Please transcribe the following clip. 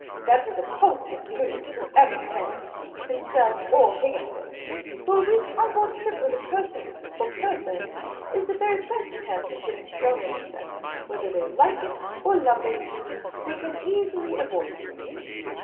That was a politic move, whoever planned it — himself or Higginson ; for a week on board ship with a person or per sons is the very best chance of getting thrown in with them ; whether they like it or lump it, they can't easily avoid you.